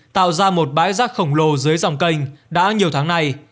tạo ra một bãi rác khổng lồ dưới dòng kênh đã nhiều tháng nay